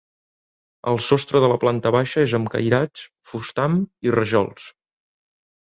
El sostre de la planta baixa és amb cairats, fustam i rajols.